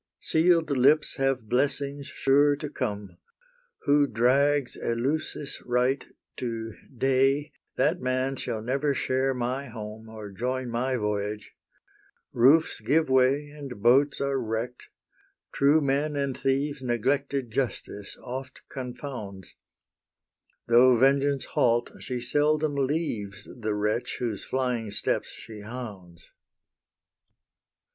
Seal'd lips have blessings sure to come: Who drags Eleusis' rite to day, That man shall never share my home, Or join my voyage: roofs give way And boats are wreck'd: true men and thieves Neglected Justice oft confounds: Though Vengeance halt, she seldom leaves The wretch whose flying steps she hounds.